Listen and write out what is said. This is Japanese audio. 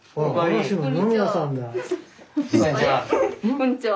こんにちは。